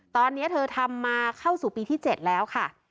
ตอนนี้เธอทำมาเข้าสู่ปีที่๗แล้วค่ะ